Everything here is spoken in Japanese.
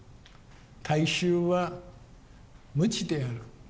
大衆は無知である。